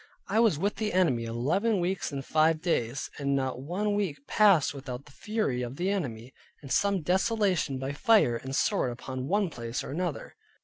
I was with the enemy eleven weeks and five days, and not one week passed without the fury of the enemy, and some desolation by fire and sword upon one place or other.